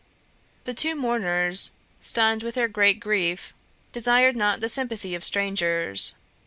The two mourners, stunned with their great grief, desired not the sympathy of strangers.